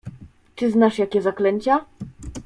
Czy znasz jakie zaklęcia?